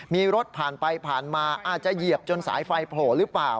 มีรถผ่านไปผ่านมาอาจจะเหยียบจนสายไฟโผล่หรือเปล่า